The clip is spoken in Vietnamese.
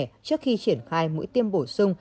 trước khi triển khai mũi tiêm bổ sung